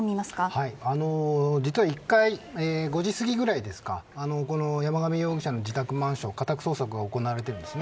実は１回、５時すぎぐらい山上容疑者の自宅マンション家宅捜索が行われているんです。